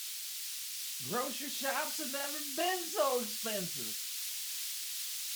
Grocery shops have never been so expensive.